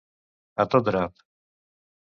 A tot drap.